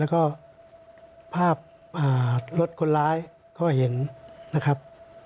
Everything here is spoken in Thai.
แล้วก็ภาพรถคนร้ายก็เห็นนะครับ